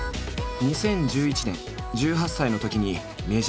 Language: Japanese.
２０１１年１８歳のときにメジャーデビュー。